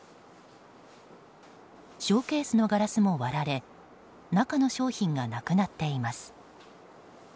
ショーケースのガラスも割られ中の商品がなくなっています。